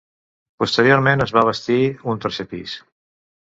Posteriorment es va bastir un tercer pis.